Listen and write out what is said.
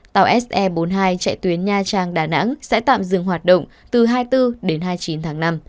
tàu se bốn mươi hai chạy tuyến nha trang đà nẵng sẽ tạm dừng hoạt động từ hai mươi bốn đến hai mươi chín tháng năm